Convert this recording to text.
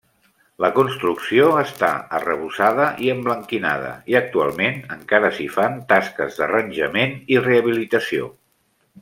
La construcció està arrebossada i emblanquinada, i actualment encara s'hi fan tasques d'arranjament i rehabilitació.